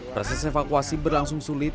proses evakuasi berlangsung sulit